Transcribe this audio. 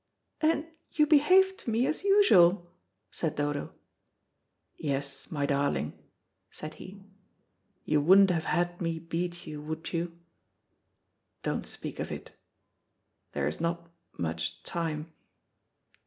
"And you behaved to me as usual," said Dodo. "Yes, my darling," said he; "you wouldn't have had me beat you, would you? Don't speak of it there is not much time."